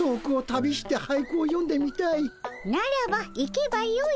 ならば行けばよい。